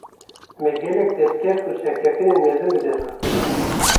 Me, gelek destkeft û serkeftinên mezin bi dest xistine